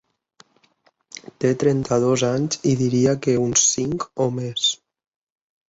Te trenta-dos anys i diria que uns cinc o més.